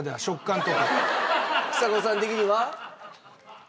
ちさ子さん的には？